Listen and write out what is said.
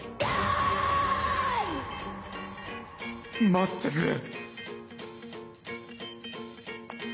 待ってくれ。